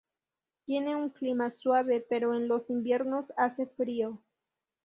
Tiene un clima suave, pero en los inviernos hace frío.